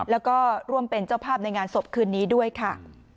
แล้วก็ร่วมเป็นเจ้าภาพในงานศพคืนนี้ด้วยค่ะ